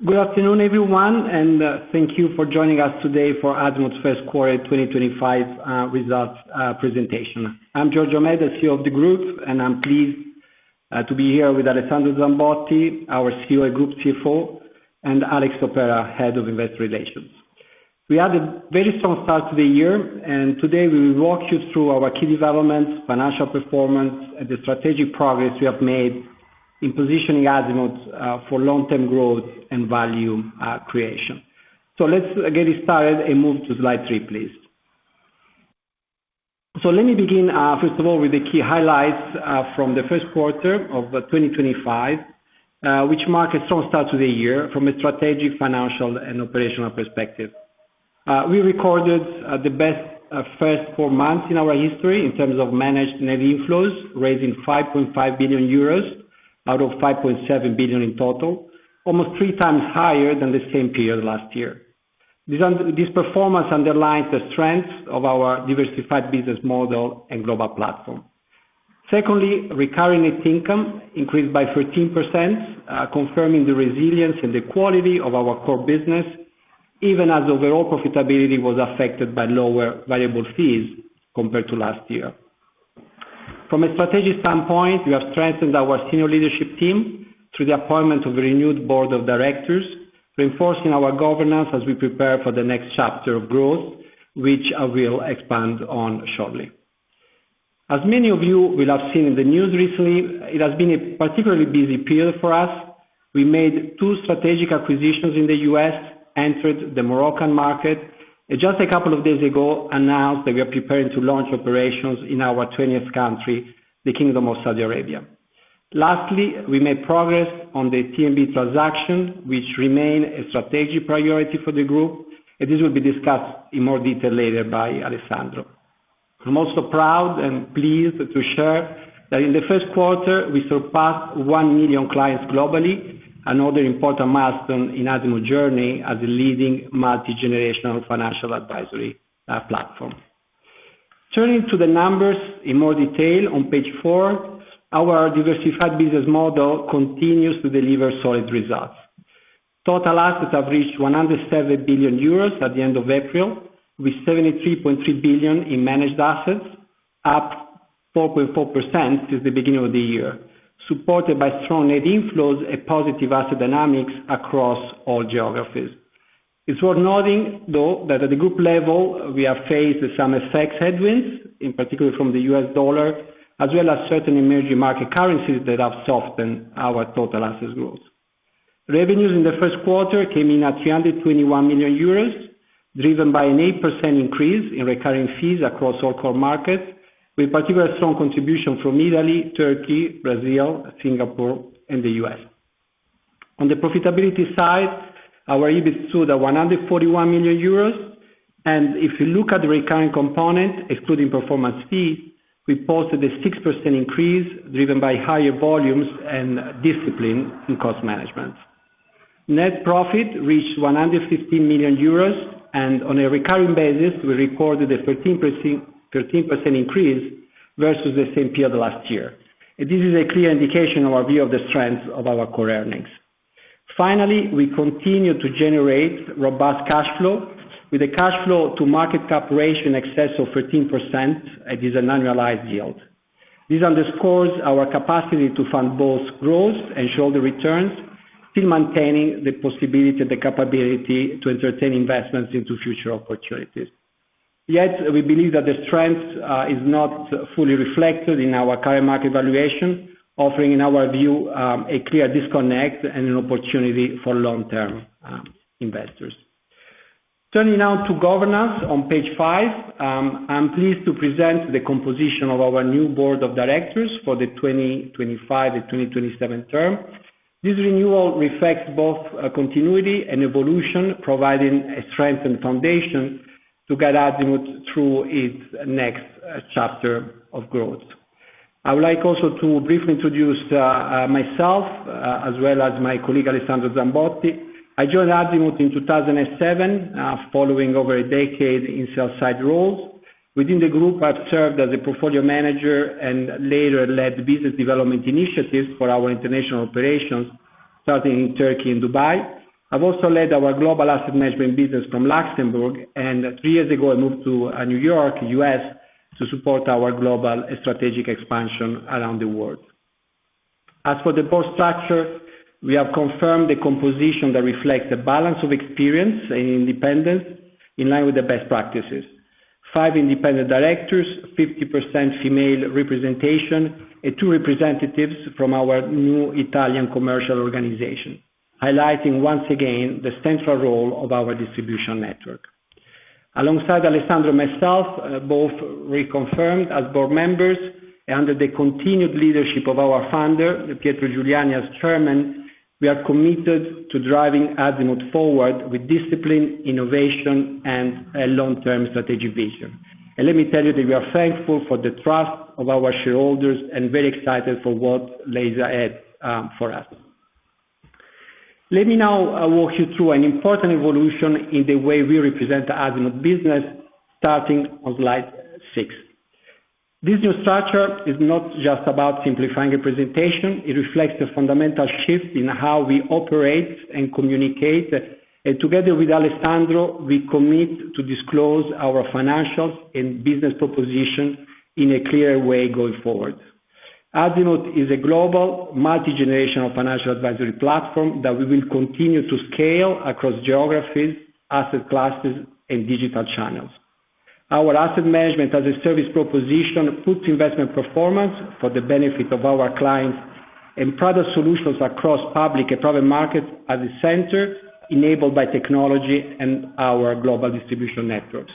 Good afternoon, everyone, and thank you for joining us today for Azimut First Quarter 2025 Results presentation. I'm Giorgio Medda, CEO of the group, and I'm pleased to be here with Alessandro Zambotti, our Group CFO, and Alex Soppera, Head of Investor Relations. We had a very strong start to the year, and today we will walk you through our key developments, financial performance, and the strategic progress we have made in positioning Azimut for long-term growth and value creation. Let's get it started and move to slide three, please. Let me begin, first of all, with the key highlights from the first quarter of 2025, which marked a strong start to the year from a strategic, financial, and operational perspective. We recorded the best first four months in our history in terms of managed net inflows, raising 5.5 billion euros out of 5.7 billion in total, almost three times higher than the same period last year. This performance underlined the strength of our diversified business model and global platform. Secondly, recurring net income increased by 13%, confirming the resilience and the quality of our core business, even as overall profitability was affected by lower variable fees compared to last year. From a strategic standpoint, we have strengthened our senior leadership team through the appointment of a renewed Board of Directors, reinforcing our governance as we prepare for the next chapter of growth, which I will expand on shortly. As many of you will have seen in the news recently, it has been a particularly busy period for us. We made two strategic acquisitions in the U.S., entered the Moroccan market, and just a couple of days ago announced that we are preparing to launch operations in our 20th country, the Kingdom of Saudi Arabia. Lastly, we made progress on the TNB transaction, which remains a strategic priority for the group, and this will be discussed in more detail later by Alessandro. I'm also proud and pleased to share that in the first quarter, we surpassed one million clients globally, another important milestone in Azimut's journey as a leading multi-generational financial advisory platform. Turning to the numbers in more detail on page four, our diversified business model continues to deliver solid results. Total assets have reached 107 billion euros at the end of April, with 73.3 billion in managed assets, up 4.4% since the beginning of the year, supported by strong net inflows and positive asset dynamics across all geographies. It's worth noting, though, that at the group level, we have faced some FX headwinds, in particular from the U.S. dollar, as well as certain emerging market currencies that have softened our total asset growth. Revenues in the first quarter came in at 321 million euros, driven by an 8% increase in recurring fees across all core markets, with particular strong contribution from Italy, Turkey, Brazil, Singapore, and the U.S.. On the profitability side, our EBIT stood at 141 million euros, and if you look at the recurring component, excluding performance fees, we posted a 6% increase driven by higher volumes and discipline in cost management. Net profit reached 115 million euros, and on a recurring basis, we recorded a 13% increase versus the same period last year. This is a clear indication of our view of the strength of our core earnings. Finally, we continue to generate robust cash flow, with a cash flow-to-market cap ratio in excess of 13%, and it is an annualized yield. This underscores our capacity to fund both growth and shareholder returns, still maintaining the possibility and the capability to entertain investments into future opportunities. Yet, we believe that the strength is not fully reflected in our current market valuation, offering, in our view, a clear disconnect and an opportunity for long-term investors. Turning now to governance on page five, I'm pleased to present the composition of our new board of directors for the 2025 and 2027 term. This renewal reflects both continuity and evolution, providing a strengthened foundation to guide Azimut through its next chapter of growth. I would like also to briefly introduce myself, as well as my colleague Alessandro Zambotti. I joined Azimut in 2007, following over a decade in sell-side roles. Within the group, I've served as a portfolio manager and later led business development initiatives for our international operations, starting in Turkey and Dubai. I've also led our global asset management business from Luxembourg, and three years ago, I moved to New York, U.S., to support our global strategic expansion around the world. As for the board structure, we have confirmed the composition that reflects a balance of experience and independence in line with the best practices. Five independent directors, 50% female representation, and two representatives from our new Italian commercial organization, highlighting once again the central role of our distribution network. Alongside Alessandro and myself, both reconfirmed as board members, and under the continued leadership of our founder, Pietro Giuliani as chairman, we are committed to driving Azimut forward with discipline, innovation, and a long-term strategic vision. Let me tell you that we are thankful for the trust of our shareholders and very excited for what lies ahead for us. Let me now walk you through an important evolution in the way we represent Azimut business, starting on slide six. This new structure is not just about simplifying representation. It reflects a fundamental shift in how we operate and communicate. Together with Alessandro, we commit to disclose our financials and business proposition in a clearer way going forward. Azimut is a global, multi-generational financial advisory platform that we will continue to scale across geographies, asset classes, and digital channels. Our asset management as a service proposition puts investment performance for the benefit of our clients and product solutions across public and private markets at the center, enabled by technology and our global distribution networks.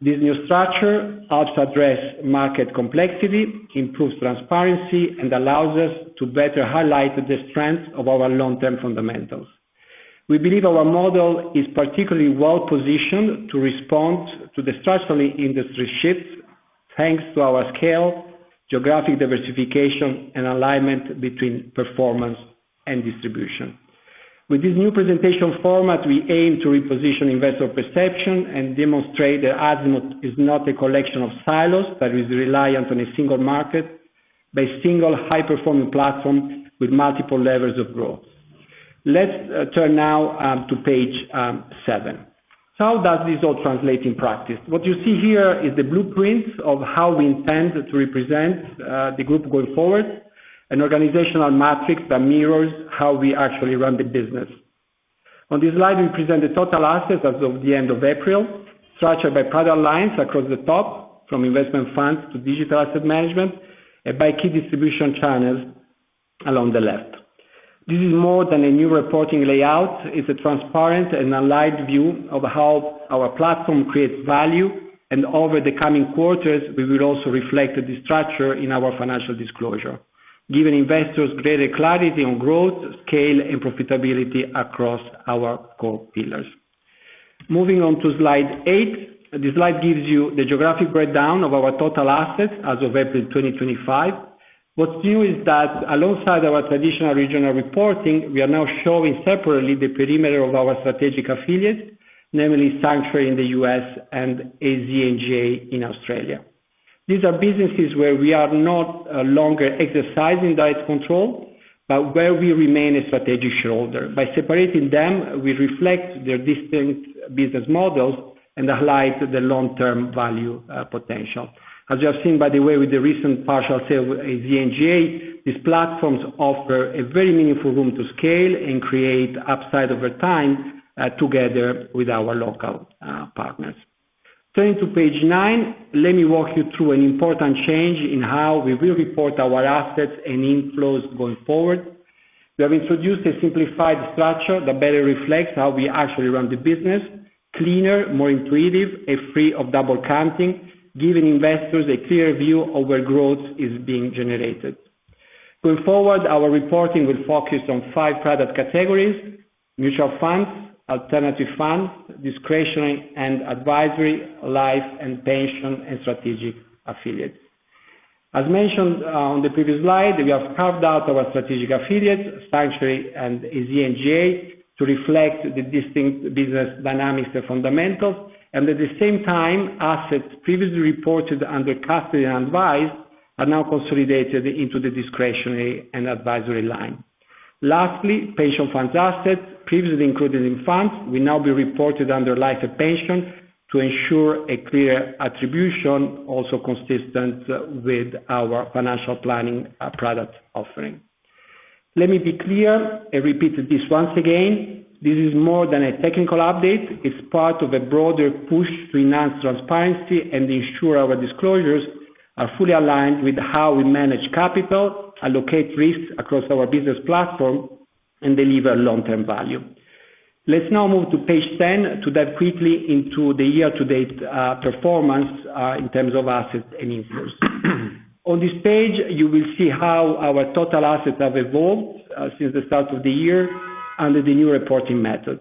This new structure helps address market complexity, improves transparency, and allows us to better highlight the strength of our long-term fundamentals. We believe our model is particularly well-positioned to respond to the structural industry shifts, thanks to our scale, geographic diversification, and alignment between performance and distribution. With this new presentation format, we aim to reposition investor perception and demonstrate that Azimut is not a collection of silos that is reliant on a single market, but a single high-performing platform with multiple levels of growth. Let's turn now to page seven. How does this all translate in practice? What you see here is the blueprint of how we intend to represent the group going forward, an organizational matrix that mirrors how we actually run the business. On this slide, we present the total assets as of the end of April, structured by product lines across the top, from investment funds to digital asset management, and by key distribution channels along the left. This is more than a new reporting layout. It is a transparent and aligned view of how our platform creates value, and over the coming quarters, we will also reflect the structure in our financial disclosure, giving investors greater clarity on growth, scale, and profitability across our core pillars. Moving on to slide eight, this slide gives you the geographic breakdown of our total assets as of April 2025. What is new is that alongside our traditional regional reporting, we are now showing separately the perimeter of our strategic affiliates, namely Sanctuary in the U.S. and AZ NGA in Australia. These are businesses where we are no longer exercising direct control, but where we remain a strategic shoulder. By separating them, we reflect their distinct business models and highlight the long-term value potential. As you have seen, by the way, with the recent partial sale of AZ NGA, these platforms offer a very meaningful room to scale and create upside over time together with our local partners. Turning to page nine, let me walk you through an important change in how we will report our assets and inflows going forward. We have introduced a simplified structure that better reflects how we actually run the business: cleaner, more intuitive, and free of double counting, giving investors a clear view of where growth is being generated. Going forward, our reporting will focus on five product categories: mutual funds, alternative funds, discretionary and advisory, life and pension, and strategic affiliates. As mentioned on the previous slide, we have carved out our strategic affiliates, Sanctuary and AZ NGA, to reflect the distinct business dynamics and fundamentals. At the same time, assets previously reported under custody and advised are now consolidated into the discretionary and advisory line. Lastly, pension funds assets, previously included in funds, will now be reported under life and pension to ensure a clear attribution, also consistent with our financial planning product offering. Let me be clear and repeat this once again. This is more than a technical update. It is part of a broader push to enhance transparency and ensure our disclosures are fully aligned with how we manage capital, allocate risks across our business platform, and deliver long-term value. Let's now move to page ten to dive quickly into the year-to-date performance in terms of assets and inflows. On this page, you will see how our total assets have evolved since the start of the year under the new reporting method.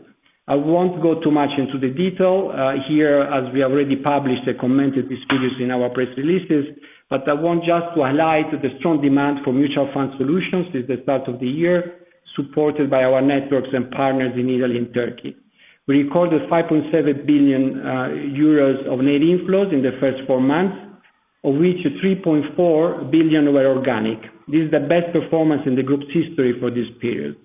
I will not go too much into the detail here, as we have already published and commented on these figures in our press releases, but I want just to highlight the strong demand for mutual fund solutions since the start of the year, supported by our networks and partners in Italy and Turkey. We recorded 5.7 billion euros of net inflows in the first four months, of which 3.4 billion were organic. This is the best performance in the group's history for this period.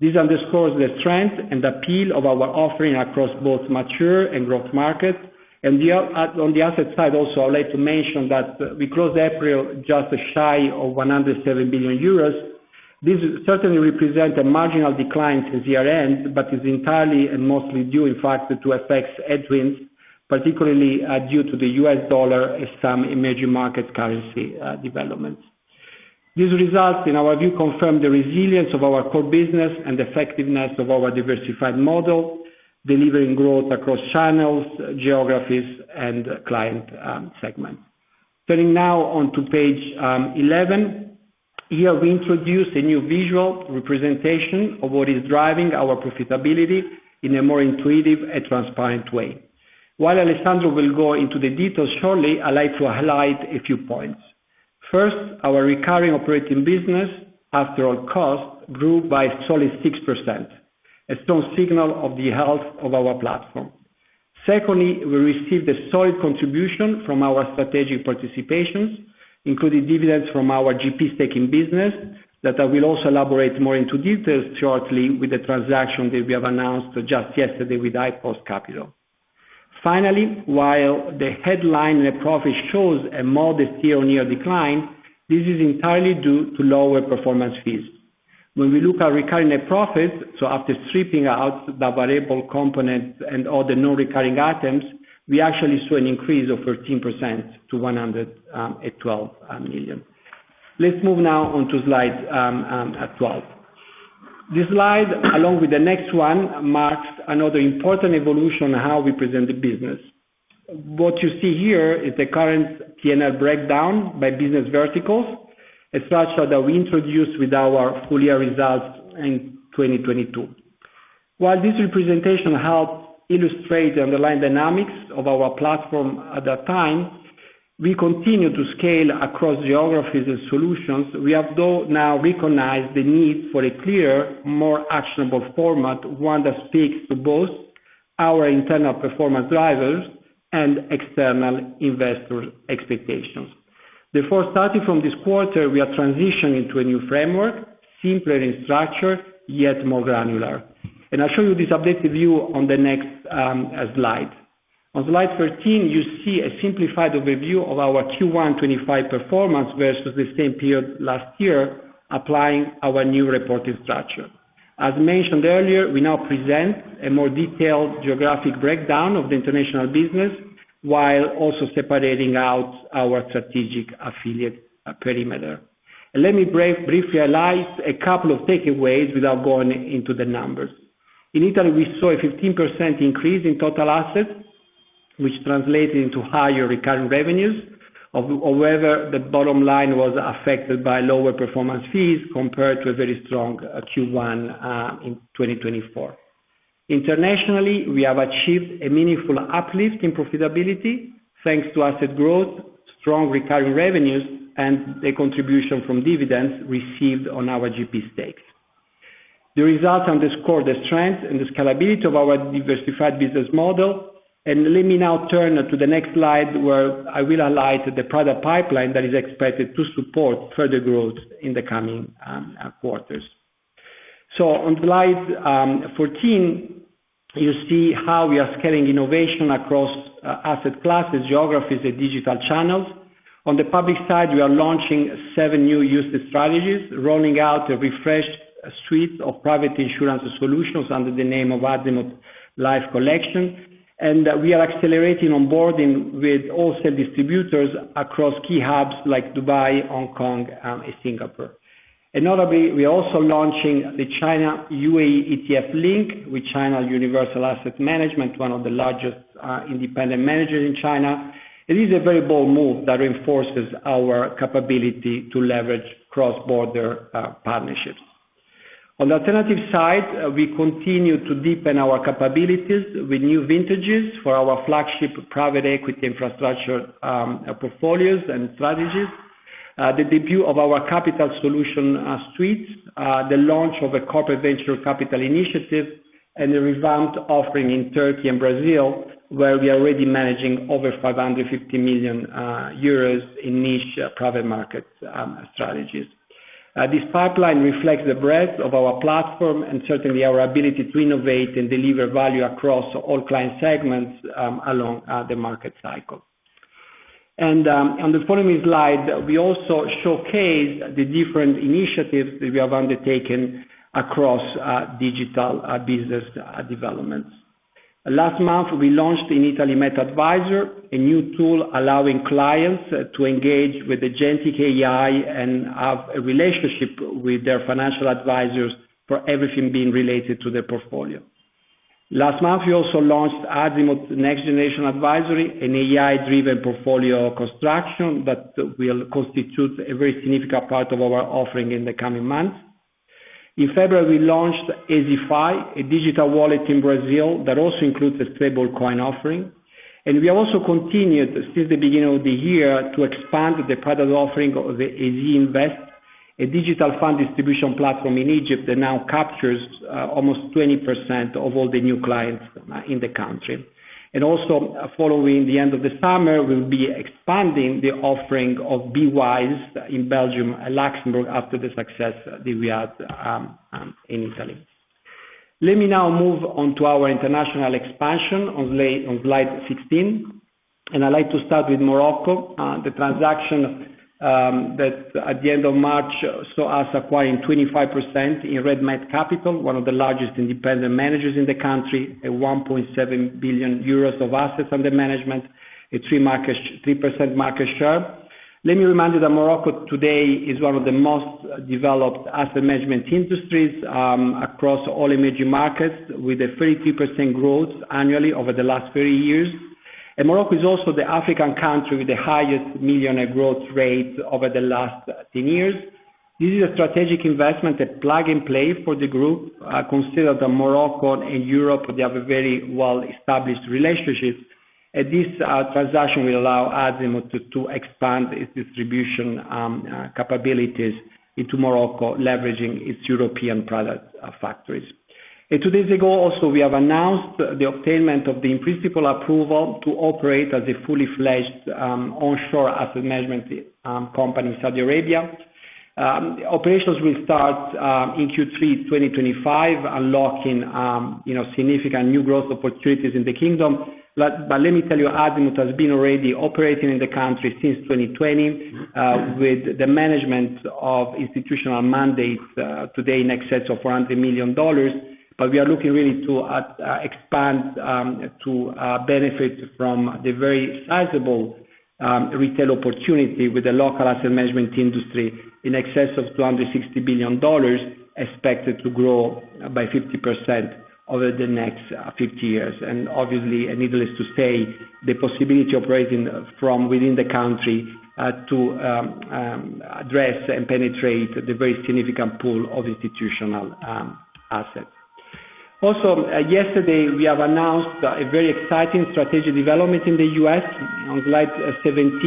This underscores the strength and appeal of our offering across both mature and growth markets. On the asset side, also, I would like to mention that we closed April just shy of 107 billion euros. This certainly represents a marginal decline since year-end, but is entirely and mostly due, in fact, to effects headwinds, particularly due to the U.S. dollar and some emerging market currency developments. These results, in our view, confirm the resilience of our core business and the effectiveness of our diversified model, delivering growth across channels, geographies, and client segments. Turning now on to page 11, here, we introduce a new visual representation of what is driving our profitability in a more intuitive and transparent way. While Alessandro will go into the details shortly, I'd like to highlight a few points. First, our recurring operating business, after all costs, grew by a solid 6%, a strong signal of the health of our platform. Secondly, we received a solid contribution from our strategic participations, including dividends from our GP Stakes business that I will also elaborate more into details shortly with the transaction that we have announced just yesterday with IPOS Capital. Finally, while the headline net profit shows a modest year-on-year decline, this is entirely due to lower performance fees. When we look at recurring net profits, so after stripping out the variable components and all the non-recurring items, we actually saw an increase of 13% to 112 million. Let's move now on to slide 12. This slide, along with the next one, marks another important evolution in how we present the business. What you see here is the current P&L breakdown by business verticals, a structure that we introduced with our full-year results in 2022. While this representation helps illustrate the underlying dynamics of our platform at that time, we continue to scale across geographies and solutions. We have, though, now recognized the need for a clearer, more actionable format, one that speaks to both our internal performance drivers and external investor expectations. Therefore, starting from this quarter, we are transitioning to a new framework, simpler in structure, yet more granular. I will show you this updated view on the next slide. On slide 13, you see a simplified overview of our Q1 2025 performance versus the same period last year, applying our new reporting structure. As mentioned earlier, we now present a more detailed geographic breakdown of the international business while also separating out our strategic affiliate perimeter. Let me briefly highlight a couple of takeaways without going into the numbers. In Italy, we saw a 15% increase in total assets, which translated into higher recurring revenues. However, the bottom line was affected by lower performance fees compared to a very strong Q1 in 2024. Internationally, we have achieved a meaningful uplift in profitability thanks to asset growth, strong recurring revenues, and the contribution from dividends received on our GP stakes. The results underscore the strength and the scalability of our diversified business model. Let me now turn to the next slide, where I will highlight the product pipeline that is expected to support further growth in the coming quarters. On slide 14, you see how we are scaling innovation across asset classes, geographies, and digital channels. On the public side, we are launching seven new use strategies, rolling out a refreshed suite of private insurance solutions under the name of Azimut Life Collection. We are accelerating onboarding with all sale distributors across key hubs like Dubai, Hong Kong, and Singapore. Notably, we are also launching the China UAE ETF link with China Universal Asset Management, one of the largest independent managers in China. It is a very bold move that reinforces our capability to leverage cross-border partnerships. On the alternative side, we continue to deepen our capabilities with new vintages for our flagship private equity infrastructure portfolios and strategies, the debut of our Capital Solution Suite, the launch of a corporate venture capital initiative, and the revamped offering in Turkey and Brazil, where we are already managing over 550 million euros in niche private market strategies. This pipeline reflects the breadth of our platform and certainly our ability to innovate and deliver value across all client segments along the market cycle. On the following slide, we also showcase the different initiatives that we have undertaken across digital business developments. Last month, we launched in Italy Meta Advisor, a new tool allowing clients to engage with the GenTech AI and have a relationship with their financial advisors for everything being related to their portfolio. Last month, we also launched Azimut Next Generation Advisory, an AI-driven portfolio construction that will constitute a very significant part of our offering in the coming months. In February, we launched Azify, a digital wallet in Brazil that also includes a stablecoin offering. We have also continued since the beginning of the year to expand the product offering of AZInvest, a digital fund distribution platform in Egypt that now captures almost 20% of all the new clients in the country. Also, following the end of the summer, we will be expanding the offering of BYs in Belgium and Luxembourg after the success that we had in Italy. Let me now move on to our international expansion on slide 16. I'd like to start with Morocco, the transaction that at the end of March saw us acquiring 25% in Red Med Capital, one of the largest independent managers in the country, 1.7 billion euros of assets under management, a 3% market share. Let me remind you that Morocco today is one of the most developed asset management industries across all emerging markets, with a 33% growth annually over the last 30 years. Morocco is also the African country with the highest millionaire growth rate over the last 10 years. This is a strategic investment, a plug-and-play for the group, considered that Morocco and Europe, they have a very well-established relationship. This transaction will allow Azimut to expand its distribution capabilities into Morocco, leveraging its European product factories. Two days ago, also, we have announced the obtainment of the principal approval to operate as a fully-fledged onshore asset management company in Saudi Arabia. Operations will start in Q3 2025, unlocking significant new growth opportunities in the kingdom. Let me tell you, Azimut has been already operating in the country since 2020 with the management of institutional mandates today in excess of $400 million. We are looking really to expand to benefit from the very sizable retail opportunity with the local asset management industry in excess of $260 billion, expected to grow by 50% over the next 50 years. Obviously, needless to say, the possibility of operating from within the country to address and penetrate the very significant pool of institutional assets. Also, yesterday, we have announced a very exciting strategic development in the U.S.. On slide 17,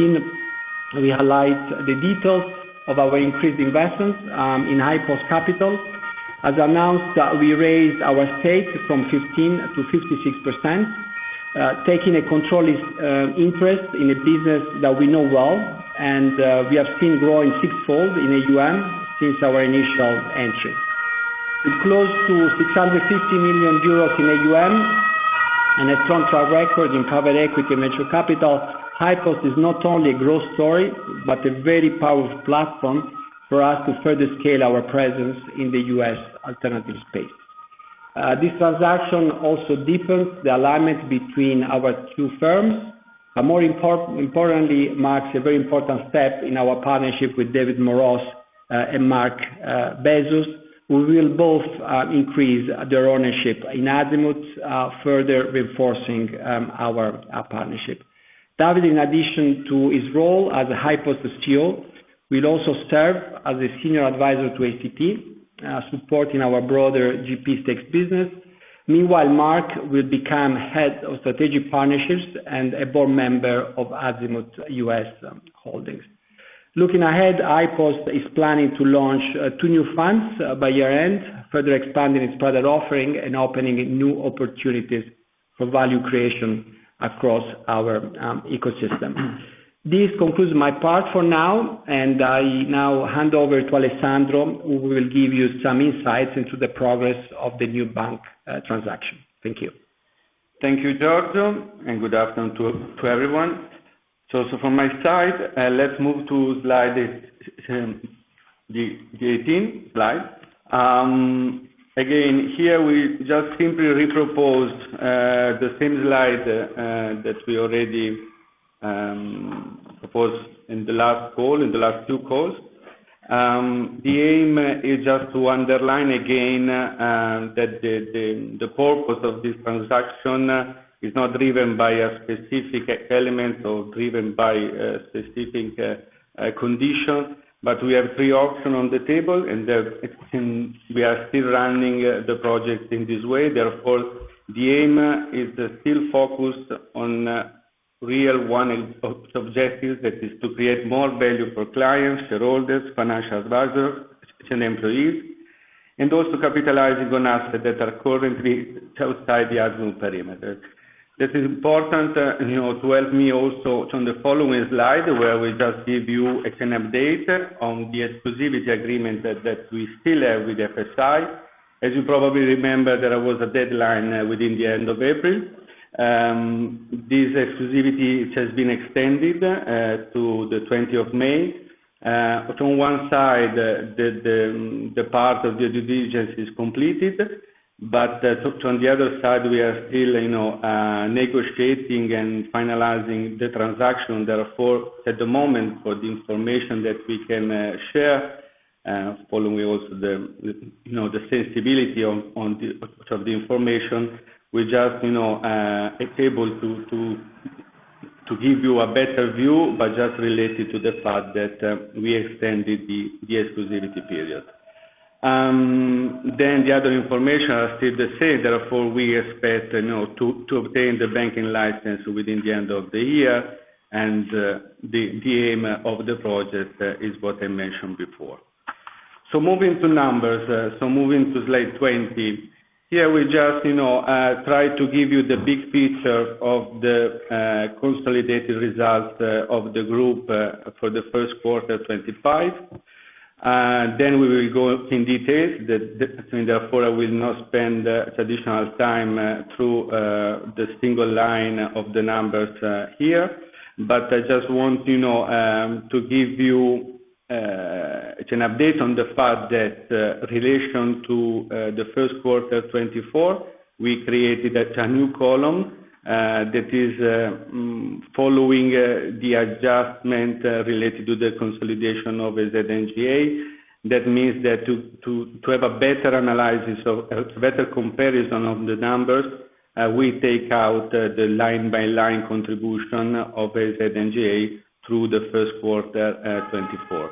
we highlight the details of our increased investments in IPOS Capital. As announced, we raised our stakes from 15% to 56%, taking a controlled interest in a business that we know well and we have seen growing sixfold in AUM since our initial entry. We are close to 650 million euros in AUM and a strong track record in private equity and venture capital. IPOS is not only a growth story, but a very powerful platform for us to further scale our presence in the U.S. alternative space. This transaction also deepens the alignment between our two firms. More importantly, it marks a very important step in our partnership with David Moreau and Mark Bezos, who will both increase their ownership in Azimut, further reinforcing our partnership. David, in addition to his role as IPOS CEO, will also serve as a senior advisor to ACP, supporting our broader GP stakes business. Meanwhile, Mark will become Head of Strategic Partnerships and a board member of Azimut U.S. Holdings. Looking ahead, IPOS is planning to launch two new funds by year-end, further expanding its product offering and opening new opportunities for value creation across our ecosystem. This concludes my part for now. I now hand over to Alessandro, who will give you some insights into the progress of the new bank transaction. Thank you. Thank you, Giorgio. Good afternoon to everyone. From my side, let's move to slide 18. Here, we just simply reproposed the same slide that we already proposed in the last call, in the last two calls. The aim is just to underline again that the purpose of this transaction is not driven by a specific element or driven by a specific condition, but we have three options on the table, and we are still running the project in this way. Therefore, the aim is still focused on one real objective, that is to create more value for clients, shareholders, financial advisors, and employees, and also capitalizing on assets that are currently outside the Azimut perimeter. This is important to help me also on the following slide, where we just give you an update on the exclusivity agreement that we still have with FSI. As you probably remember, there was a deadline within the end of April. This exclusivity has been extended to the 20th of May. From one side, the part of the due diligence is completed, but from the other side, we are still negotiating and finalizing the transaction. Therefore, at the moment, for the information that we can share, following also the sensibility of the information, we're just able to give you a better view, but just related to the fact that we extended the exclusivity period. The other information is still the same. Therefore, we expect to obtain the banking license within the end of the year, and the aim of the project is what I mentioned before. Moving to numbers, moving to slide 20, here we just try to give you the big picture of the consolidated results of the group for the first quarter 2025. We will go in detail. Therefore, I will not spend additional time through the single line of the numbers here, but I just want to give you an update on the fact that in relation to the first quarter 2024, we created a new column that is following the adjustment related to the consolidation of Zynga. That means that to have a better analysis or a better comparison of the numbers, we take out the line-by-line contribution of Zynga through the first quarter 2024.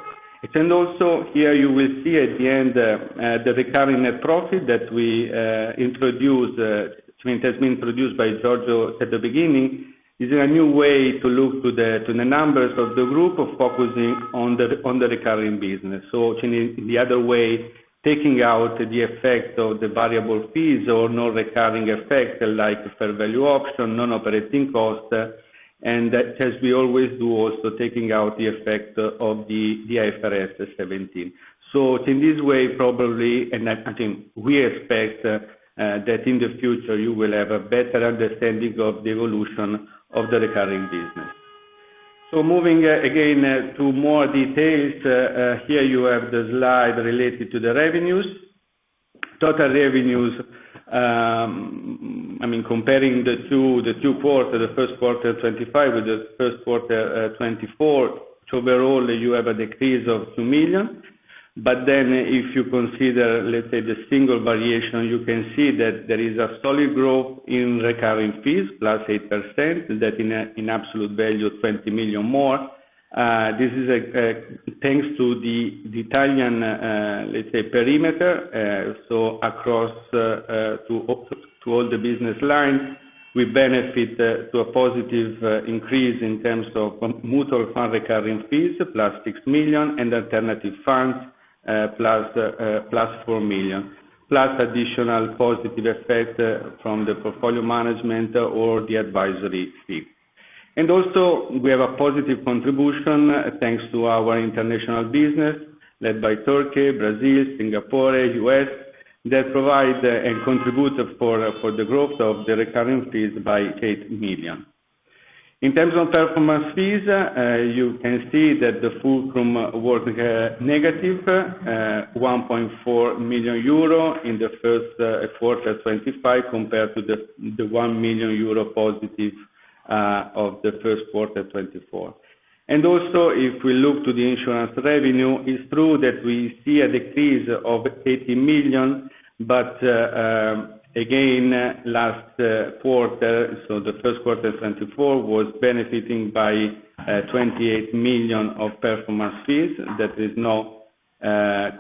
Also, here you will see at the end the recurring net profit that we introduced, which has been introduced by Giorgio at the beginning, is a new way to look to the numbers of the group of focusing on the recurring business. In the other way, taking out the effect of the variable fees or non-recurring effects like fair value option, non-operating cost, and as we always do, also taking out the effect of the IFRS 17. In this way, probably, and I think we expect that in the future, you will have a better understanding of the evolution of the recurring business. Moving again to more details, here you have the slide related to the revenues. Total revenues, I mean, comparing the two quarters, the first quarter 2025 with the first quarter 2024, overall, you have a decrease of 2 million. If you consider, let's say, the single variation, you can see that there is a solid growth in recurring fees, plus 8%, that in absolute value, 20 million more. This is thanks to the Italian, let's say, perimeter. Across all the business lines, we benefit from a positive increase in terms of mutual fund recurring fees, plus 6 million, and alternative funds, plus 4 million, plus additional positive effect from the portfolio management or the advisory fee. Also, we have a positive contribution thanks to our international business led by Turkey, Brazil, Singapore, U.S., that provide and contribute to the growth of the recurring fees by 8 million. In terms of performance fees, you can see that the full-term were negative, 1.4 million euro in the first quarter 2025 compared to the 1 million euro positive of the first quarter 2024. Also, if we look to the insurance revenue, it's true that we see a decrease of 80 million, but last quarter, so the first quarter 2024, was benefiting by 28 million of performance fees that is not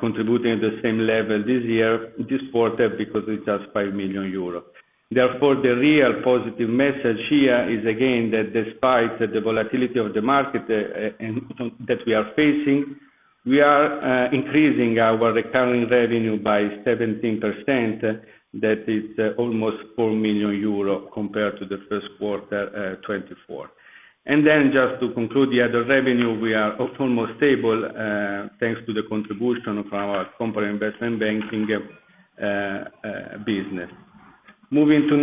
contributing at the same level this year, this quarter, because it's just 5 million euros. Therefore, the real positive message here is again that despite the volatility of the market that we are facing, we are increasing our recurring revenue by 17%, that is almost 4 million euro compared to the first quarter 2024. Just to conclude, the other revenue, we are almost stable thanks to the contribution from our corporate investment banking business. Moving to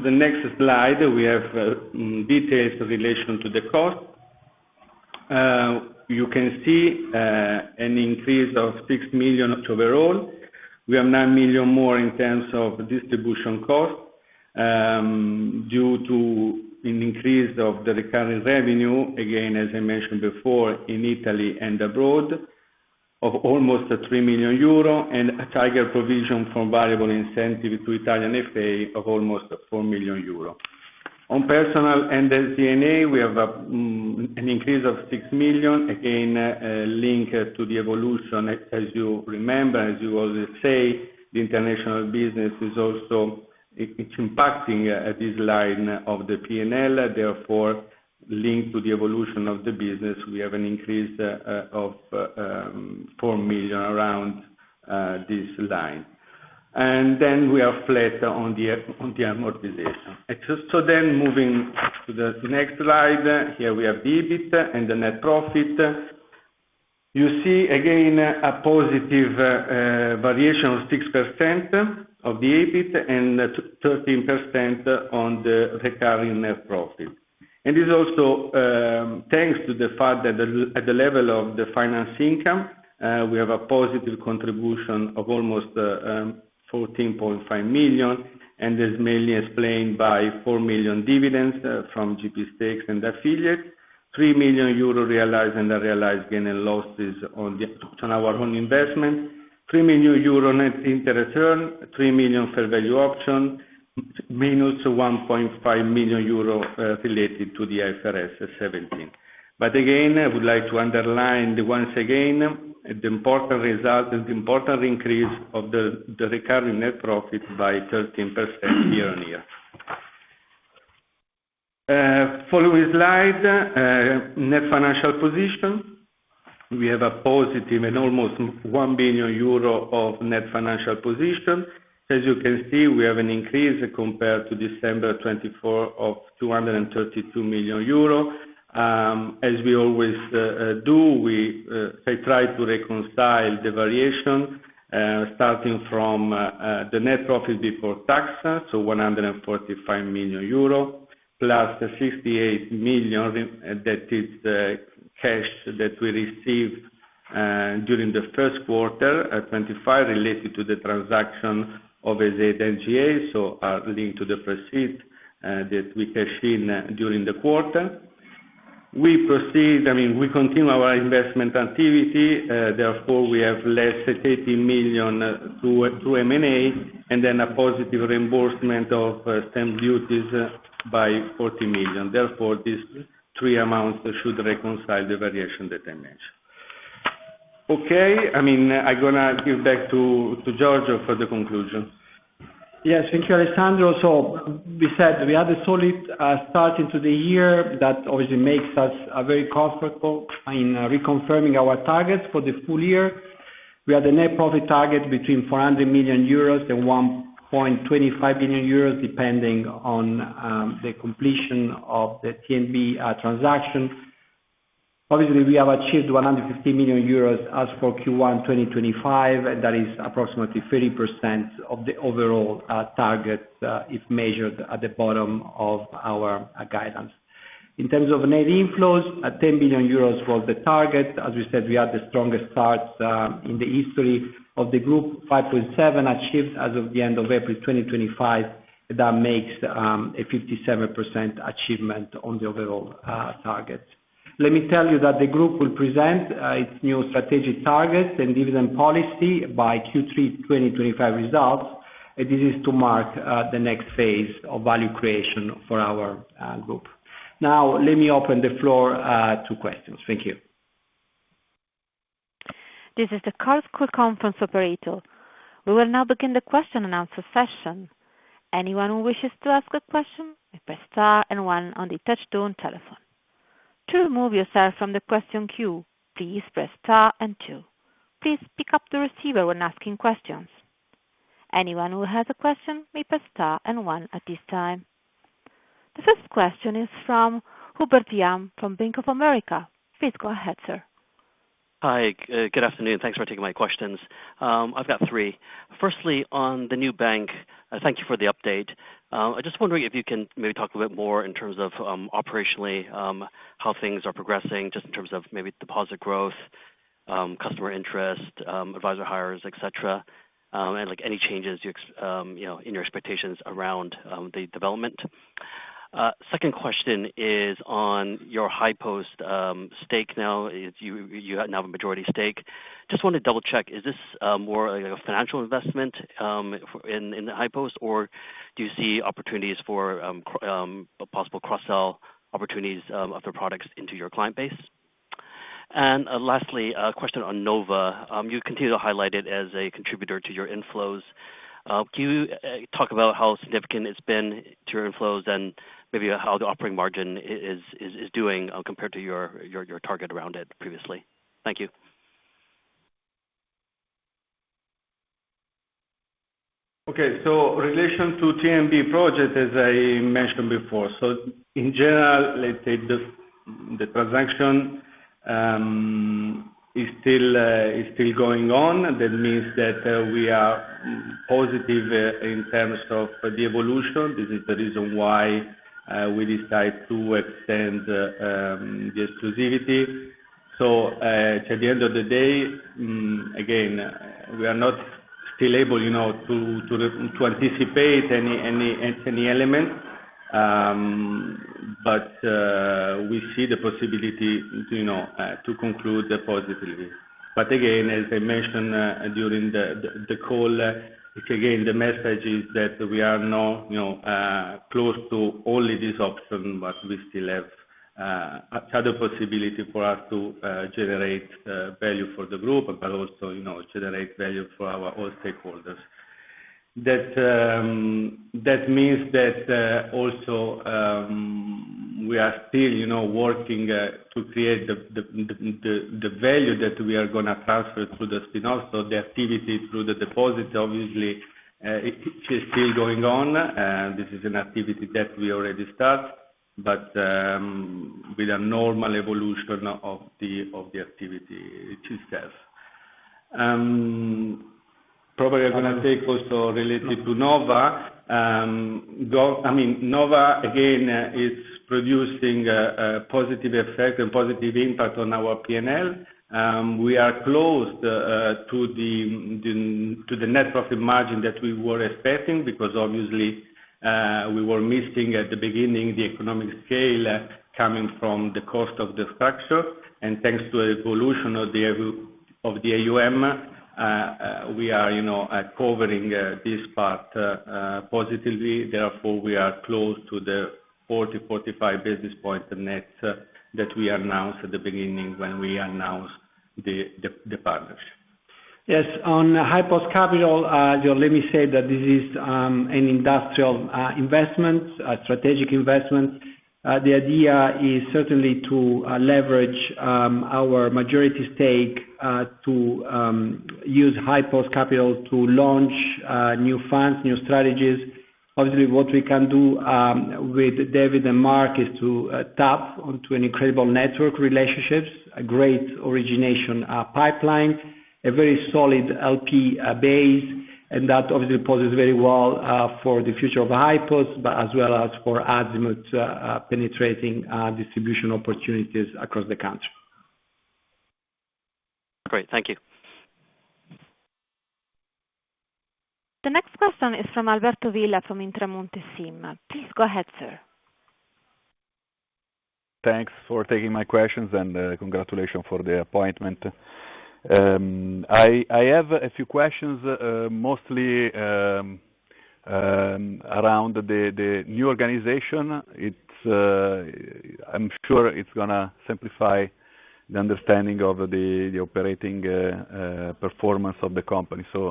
the next slide, we have details in relation to the cost. You can see an increase of 6 million overall. We have 9 million more in terms of distribution cost due to an increase of the recurring revenue, again, as I mentioned before, in Italy and abroad, of almost 3 million euro and a Tiger provision for variable incentive to Italian FA of almost 4 million euro. On personnel and Zynga, we have an increase of 6 million, again, linked to the evolution, as you remember, as you always say, the international business is also impacting this line of the P&L. Therefore, linked to the evolution of the business, we have an increase of 4 million around this line. We are flat on the amortization. Moving to the next slide, here we have the EBIT and the net profit. You see again a positive variation of 6% of the EBIT and 13% on the recurring net profit. This is also thanks to the fact that at the level of the finance income, we have a positive contribution of almost 14.5 million, and it's mainly explained by 4 million dividends from GP Stakes and affiliates, 3 million euro realized and unrealized gain and losses on our own investment, 3 million euro net interest earn, 3 million fair value option, main also 1.5 million euro related to the IFRS 17. Again, I would like to underline once again the important result and the important increase of the recurring net profit by 13% year on year. Following slide, net financial position. We have a positive and almost 1 billion euro of net financial position. As you can see, we have an increase compared to December 2024 of 232 million euro. As we always do, we try to reconcile the variation starting from the net profit before tax, so 145 million euro, plus the 68 million that is cash that we received during the first quarter 2025 related to the transaction of Zynga, so linked to the receipt that we have seen during the quarter. We proceed, I mean, we continue our investment activity. Therefore, we have less than 80 million through M&A and then a positive reimbursement of stamp duties by 40 million. Therefore, these three amounts should reconcile the variation that I mentioned. Okay. I mean, I'm going to give back to Giorgio for the conclusion. Yes. Thank you, Alessandro. We said we had a solid start into the year that obviously makes us very comfortable in reconfirming our targets for the full year. We had a net profit target between 400 million euros and 1.25 billion euros, depending on the completion of the TNB transaction. Obviously, we have achieved 150 million euros as for Q1 2025, and that is approximately 30% of the overall target if measured at the bottom of our guidance. In terms of net inflows, 10 billion euros was the target. As we said, we had the strongest start in the history of the group, 5.7 billion achieved as of the end of April 2025, and that makes a 57% achievement on the overall target. Let me tell you that the group will present its new strategic targets and dividend policy by Q3 2025 results, and this is to mark the next phase of value creation for our group. Now, let me open the floor to questions. Thank you. This is the Chorus Call conference operator. We will now begin the question and answer session. Anyone who wishes to ask a question may press star and one on the touchstone telephone. To remove yourself from the question queue, please press star and two. Please pick up the receiver when asking questions. Anyone who has a question may press star and one at this time. The first question is from Hubert Lam from Bank of America. Please go ahead, sir. Hi. Good afternoon. Thanks for taking my questions. I've got three. Firstly, on the new bank, thank you for the update. I'm just wondering if you can maybe talk a little bit more in terms of operationally how things are progressing, just in terms of maybe deposit growth, customer interest, advisor hires, etc., and any changes in your expectations around the development. Second question is on your high-post stake now. You have now a majority stake. Just want to double-check, is this more a financial investment in the high-post, or do you see opportunities for possible cross-sell opportunities of the products into your client base? Lastly, a question on Nova. You continue to highlight it as a contributor to your inflows. Can you talk about how significant it's been to your inflows and maybe how the operating margin is doing compared to your target around it previously? Thank you. Okay. In relation to the TNB transaction, as I mentioned before, in general, the transaction is still going on. That means that we are positive in terms of the evolution. This is the reason why we decided to extend the exclusivity. At the end of the day, we are not still able to anticipate any element, but we see the possibility to conclude positively. As I mentioned during the call, the message is that we are not now close to only this option, we still have other possibilities for us to generate value for the group, but also generate value for our stakeholders. That means that we are still working to create the value that we are going to transfer through the spin-off. The activity through the deposit, obviously, is still going on. This is an activity that we already start, but with a normal evolution of the activity itself. Probably I'm going to take also related to Nova. I mean, Nova, again, is producing a positive effect and positive impact on our P&L. We are close to the net profit margin that we were expecting because obviously, we were missing at the beginning the economic scale coming from the cost of the structure. Thanks to the evolution of the AUM, we are covering this part positively. Therefore, we are close to the 40-45 basis points of net that we announced at the beginning when we announced the partnership. Yes. On IPOS Capital, let me say that this is an industrial investment, a strategic investment. The idea is certainly to leverage our majority stake to use IPOS Capital to launch new funds, new strategies. Obviously, what we can do with David and Mark is to tap onto an incredible network relationship, a great origination pipeline, a very solid LP base, and that obviously poses very well for the future of IPOS, but as well as for Azimut penetrating distribution opportunities across the country. Great. Thank you. The next question is from Alberto Villa from Intermonte SIM. Please go ahead, sir. Thanks for taking my questions and congratulations for the appointment. I have a few questions, mostly around the new organization. I'm sure it's going to simplify the understanding of the operating performance of the company, so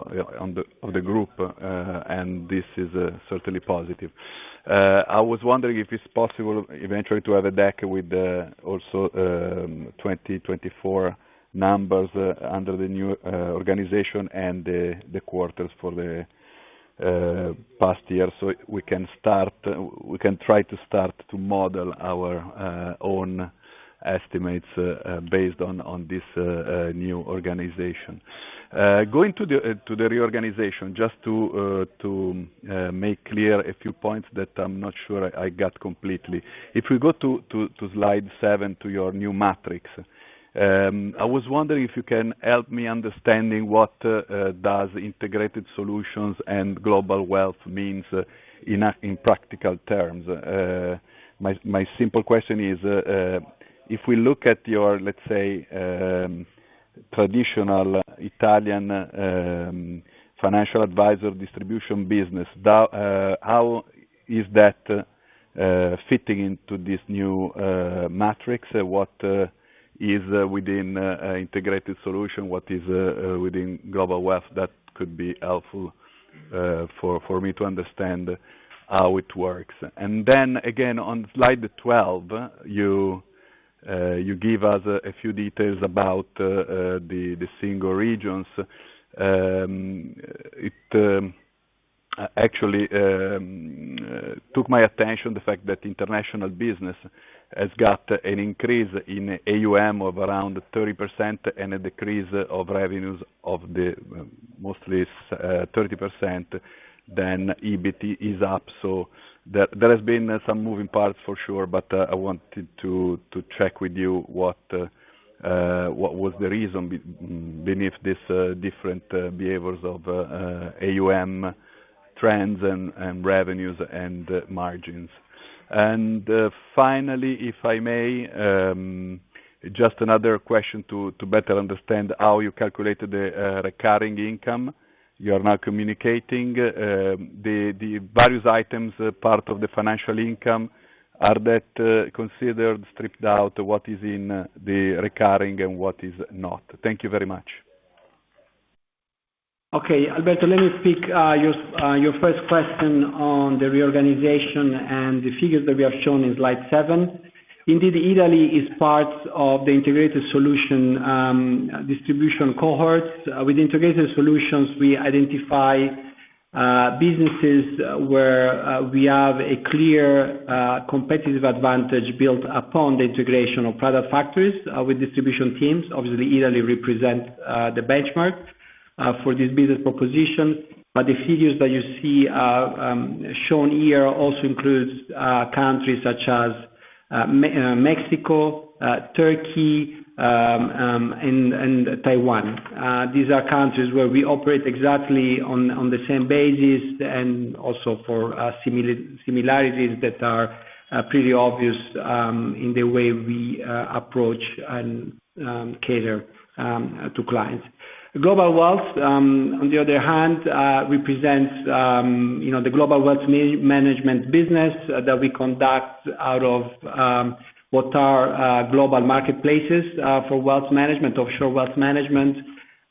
of the group, and this is certainly positive. I was wondering if it's possible eventually to have a deck with also 2024 numbers under the new organization and the quarters for the past year so we can try to start to model our own estimates based on this new organization. Going to the reorganization, just to make clear a few points that I'm not sure I got completely. If we go to slide seven, to your new matrix, I was wondering if you can help me understanding what does integrated solutions and global wealth mean in practical terms? My simple question is, if we look at your, let's say, traditional Italian financial advisor distribution business, how is that fitting into this new matrix? What is within integrated solution? What is within global wealth that could be helpful for me to understand how it works? Then again, on slide 12, you give us a few details about the single regions. It actually took my attention, the fact that international business has got an increase in AUM of around 30% and a decrease of revenues of mostly 30%, then EBIT is up. There has been some moving parts for sure, but I wanted to check with you what was the reason beneath these different behaviors of AUM trends and revenues and margins. Finally, if I may, just another question to better understand how you calculated the recurring income you are now communicating. The various items, part of the financial income, are that considered stripped out what is in the recurring and what is not? Thank you very much. Okay. Alberto, let me pick your first question on the reorganization and the figures that we have shown in slide seven. Indeed, Italy is part of the integrated solution distribution cohorts. With integrated solutions, we identify businesses where we have a clear competitive advantage built upon the integration of private factories with distribution teams. Obviously, Italy represents the benchmark for this business proposition, but the figures that you see shown here also include countries such as Mexico, Turkey, and Taiwan. These are countries where we operate exactly on the same basis and also for similarities that are pretty obvious in the way we approach and cater to clients. Global wealth, on the other hand, represents the global wealth management business that we conduct out of what are global marketplaces for wealth management, offshore wealth management,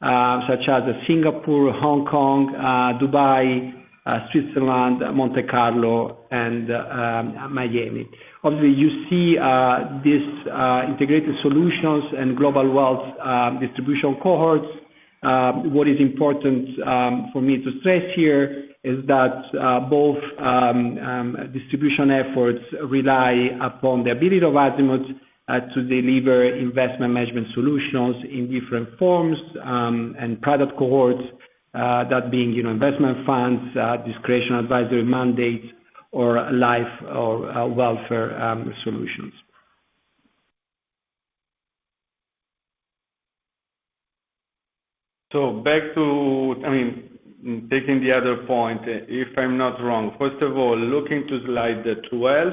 such as Singapore, Hong Kong, Dubai, Switzerland, Monte Carlo, and Miami. Obviously, you see these integrated solutions and global wealth distribution cohorts. What is important for me to stress here is that both distribution efforts rely upon the ability of Azimut to deliver investment management solutions in different forms and private cohorts, that being investment funds, discretionary advisory mandates, or life or welfare solutions. Back to, I mean, taking the other point, if I'm not wrong, first of all, looking to slide 12,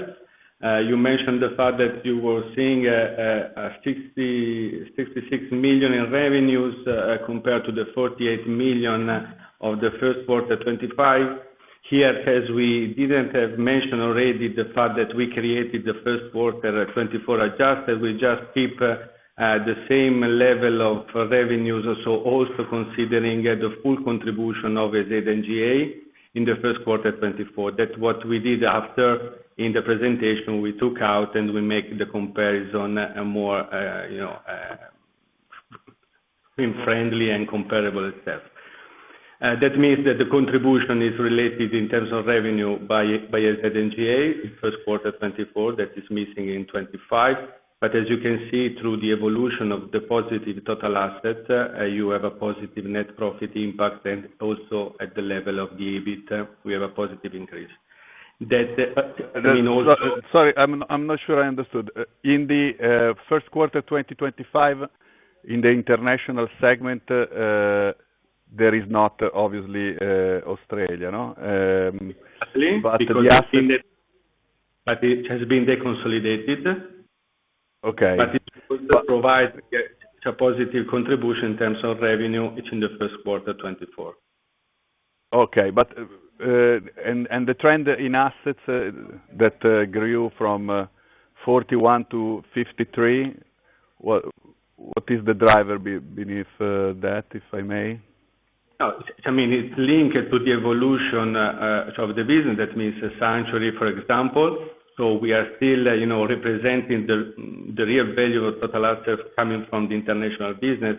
you mentioned the fact that you were seeing 66 million in revenues compared to the 48 million of the first quarter 2025. Here, as we didn't mention already, the fact that we created the first quarter 2024 adjusted, we just keep the same level of revenues, so also considering the full contribution of Zynga in the first quarter 2024. That's what we did after in the presentation. We took out and we made the comparison more friendly and comparable itself. That means that the contribution is related in terms of revenue by Zynga in first quarter 2024 that is missing in 2025. As you can see, through the evolution of the positive total asset, you have a positive net profit impact, and also at the level of the EBIT, we have a positive increase. That means also. Sorry, I'm not sure I understood. In the first quarter 2025, in the international segment, there is not obviously Australia, no? It has been deconsolidated. It provides a positive contribution in terms of revenue in the first quarter 2024. Okay. The trend in assets that grew from 41 billion to 53 billion, what is the driver beneath that, if I may? I mean, it's linked to the evolution of the business. That means Sanctuary, for example. We are still representing the real value of total assets coming from the international business.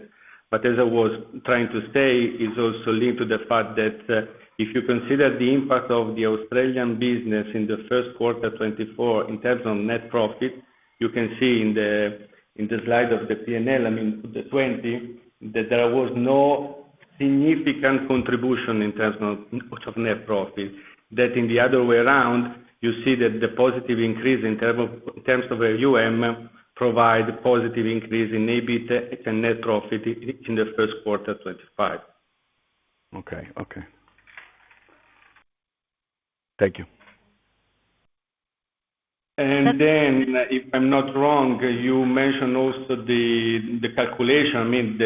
I was trying to say, it's also linked to the fact that if you consider the impact of the Australian business in the first quarter 2024 in terms of net profit, you can see in the slide of the P&L, I mean, the 2020, that there was no significant contribution in terms of net profit. In the other way around, you see that the positive increase in terms of AUM provides a positive increase in EBIT and net profit in the first quarter 2025. Okay. Okay. Thank you. If I'm not wrong, you mentioned also the calculation. I mean,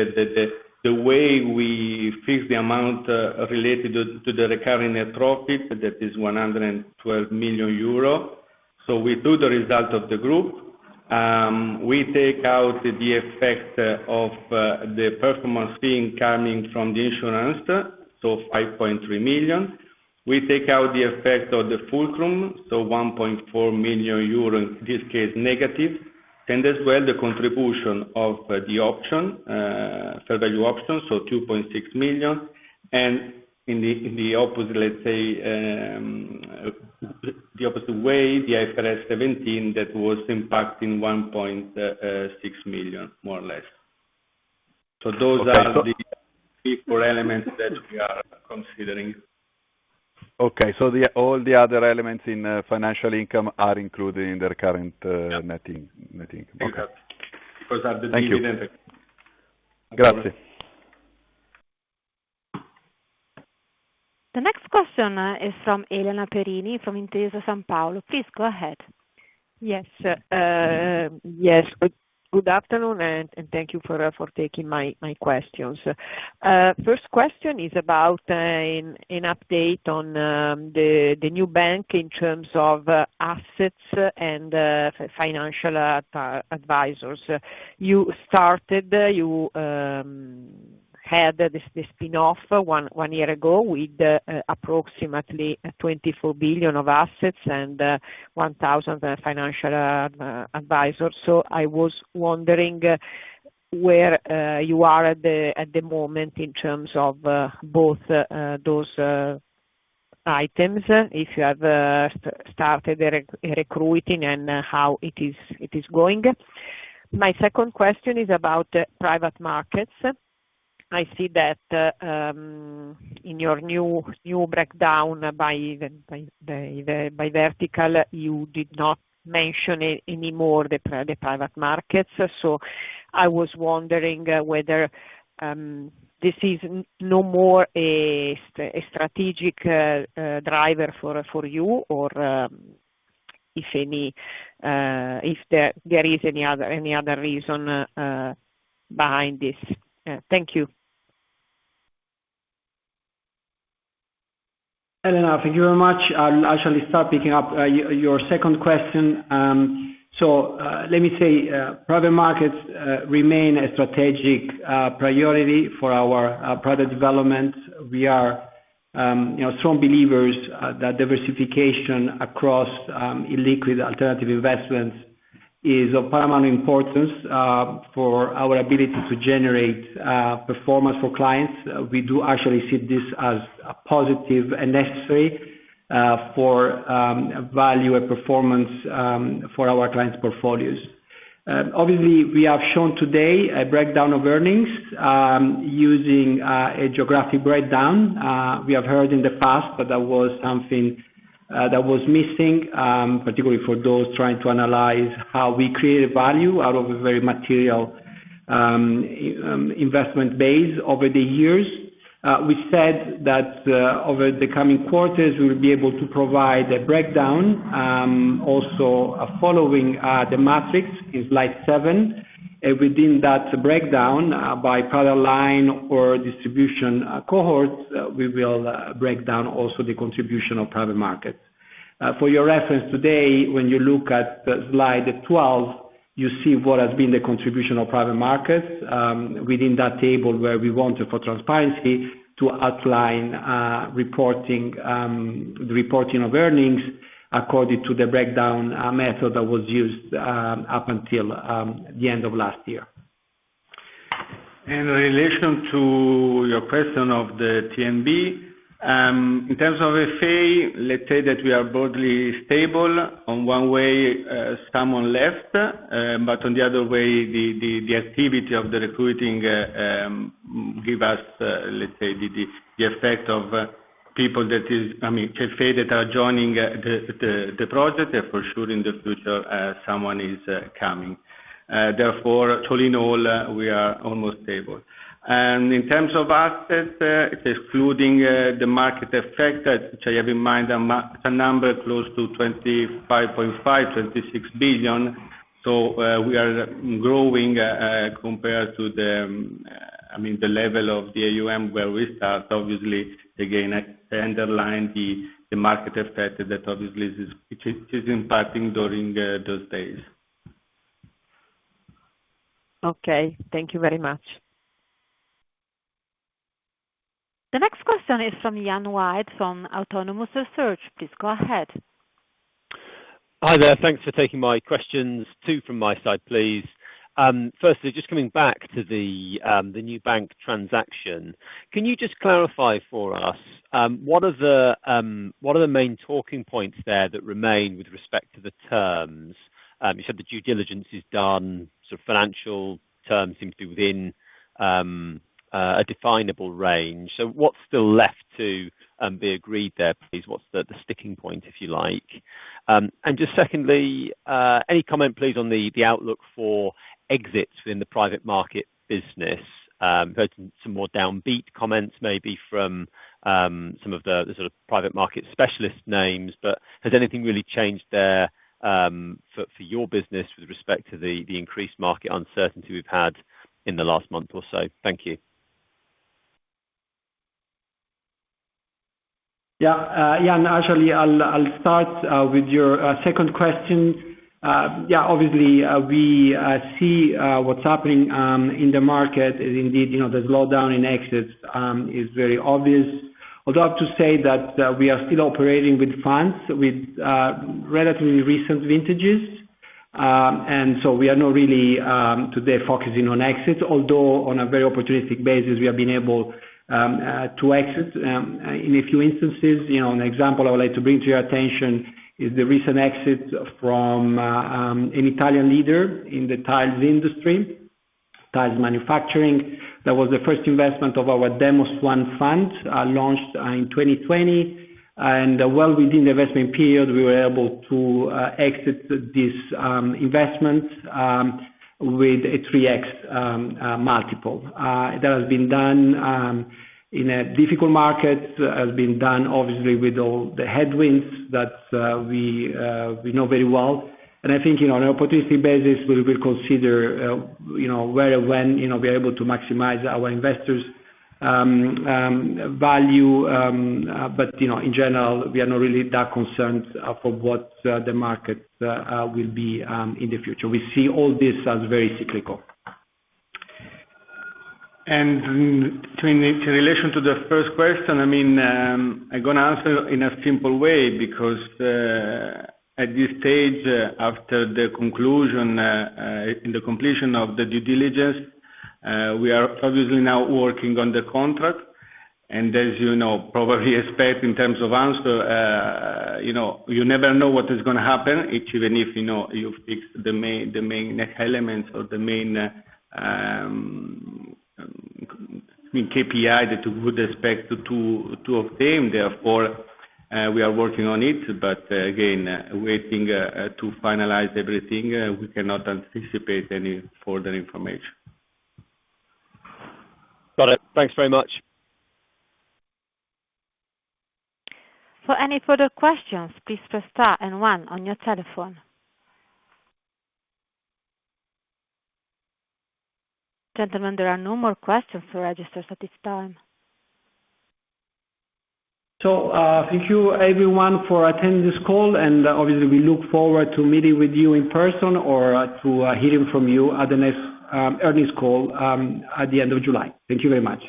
the way we fix the amount related to the recurring net profit, that is 112 million euro. We do the result of the group. We take out the effect of the performance fee coming from the insurance, so 5.3 million. We take out the effect of the full term, so 1.4 million euro, in this case, negative. And as well, the contribution of the option, fair value option, so 2.6 million. In the opposite way, the IFRS 17, that was impacting 1.6 million, more or less. Those are the four elements that we are considering. Okay. So all the other elements in financial income are included in their current net income. Of course. Thank you. Grazie. The next question is from Elena Perini from Intesa Sanpaolo. Please go ahead. Yes. Yes. Good afternoon, and thank you for taking my questions. First question is about an update on the new bank in terms of assets and financial advisors. You started, you had the spin-off one year ago with approximately 24 billion of assets and 1,000 financial advisors. I was wondering where you are at the moment in terms of both those items, if you have started recruiting and how it is going? My second question is about private markets. I see that in your new breakdown by vertical, you did not mention anymore the private markets. I was wondering whether this is no more a strategic driver for you or if there is any other reason behind this? Thank you. Elena, thank you very much. I'll actually start picking up your second question. Let me say private markets remain a strategic priority for our private development. We are strong believers that diversification across illiquid alternative investments is of paramount importance for our ability to generate performance for clients. We do actually see this as positive and necessary for value and performance for our clients' portfolios. Obviously, we have shown today a breakdown of earnings using a geographic breakdown. We have heard in the past that that was something that was missing, particularly for those trying to analyze how we created value out of a very material investment base over the years. We said that over the coming quarters, we will be able to provide a breakdown, also following the matrix in slide seven. Within that breakdown, by private line or distribution cohorts, we will break down also the contribution of private markets. For your reference today, when you look at slide 12, you see what has been the contribution of private markets within that table where we wanted, for transparency, to outline the reporting of earnings according to the breakdown method that was used up until the end of last year. In relation to your question of the TNB, in terms of FSI, let's say that we are broadly stable. On one way, someone left, but on the other way, the activity of the recruiting gave us, let's say, the effect of people that is, I mean, FSI that are joining the project. For sure, in the future, someone is coming. Therefore, all in all, we are almost stable. In terms of assets, excluding the market effect, which I have in mind, it's a number close to 25.5 billion-26 billion. We are growing compared to the, I mean, the level of the AUM where we start, obviously, again, underlying the market effect that obviously is impacting during those days. Okay. Thank you very much. The next question is from Ian White from Autonomous Research. Please go ahead. Hi, there. Thanks for taking my questions. Two from my side, please. Firstly, just coming back to the new bank transaction, can you just clarify for us, what are the main talking points there that remain with respect to the terms? You said the due diligence is done. So financial terms seem to be within a definable range. What's still left to be agreed there, please? What's the sticking point, if you like? Secondly, any comment, please, on the outlook for exits within the private market business? Heard some more downbeat comments maybe from some of the sort of private market specialist names, but has anything really changed there for your business with respect to the increased market uncertainty we've had in the last month or so? Thank you. Yeah. Yeah. Actually, I'll start with your second question. Yeah. Obviously, we see what's happening in the market. Indeed, the slowdown in exits is very obvious. Although, I have to say that we are still operating with funds with relatively recent vintages. We are not really today focusing on exits, although on a very opportunistic basis, we have been able to exit in a few instances. An example I would like to bring to your attention is the recent exit from an Italian leader in the tiles industry, tiles manufacturing. That was the first investment of our Demos One fund launched in 2020. Well within the investment period, we were able to exit this investment with a 3X multiple. That has been done in a difficult market. It has been done, obviously, with all the headwinds that we know very well. I think on an opportunistic basis, we will consider where and when we are able to maximize our investors' value. In general, we are not really that concerned for what the market will be in the future. We see all this as very cyclical. In relation to the first question, I mean, I'm going to answer in a simple way because at this stage, after the conclusion, in the completion of the due diligence, we are obviously now working on the contract. As you probably expect in terms of answer, you never know what is going to happen, even if you fix the main elements or the main KPI that would respect to two of them. Therefore, we are working on it. Again, waiting to finalize everything. We cannot anticipate any further information. Got it. Thanks very much. For any further questions, please press star and one on your telephone. Gentlemen, there are no more questions for registered at this time. Thank you, everyone, for attending this call. Obviously, we look forward to meeting with you in person or to hearing from you at the next earnings call at the end of July. Thank you very much.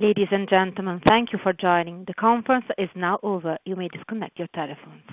Ladies and gentlemen, thank you for joining. The conference is now over. You may disconnect your telephones.